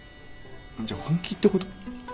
じゃあ本気ってこと？